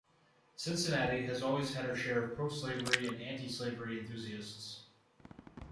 Cincinnati has always had her share of pro-slavery and anti-slavery enthusiasts.